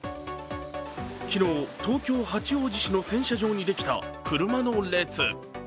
昨日、東京・八王子市の洗車場にできた車の列。